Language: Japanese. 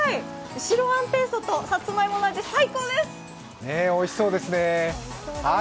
白あんペーストとさつまいもの味、最高です！